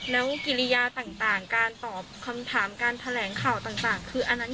แล้วกิริยาต่างการตอบคำถามการแถลงข่าวต่าง